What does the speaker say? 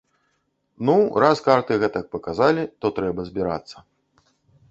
Ну, раз карты гэтак паказалі, то трэба збірацца.